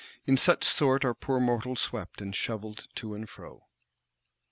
In such sort are poor mortals swept and shovelled to and fro.